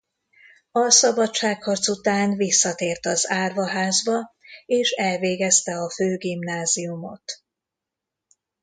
A szabadságharc után visszatért az árvaházba és elvégezte a főgimnáziumot.